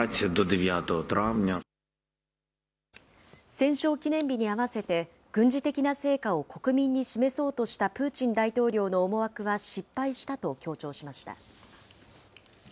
戦勝記念日に合わせて、軍事的な成果を国民に示そうとしたプーチン大統領の思惑は失敗したと強調しました。